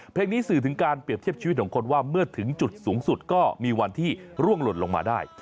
นี้สื่อถึงการเปรียบเทียบชีวิตของคนว่าเมื่อถึงจุดสูงสุดก็มีวันที่ร่วงหล่นลงมาได้